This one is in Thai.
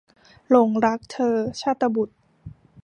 หลงรักเธอ - ชาตบุษย์